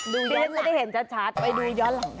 ดูแล้วจะได้เห็นชัดไปดูย้อนหลังหน้า